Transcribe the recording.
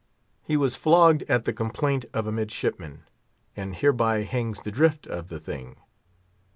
He was flogged at the complaint of a midshipman; and hereby hangs the drift of the thing.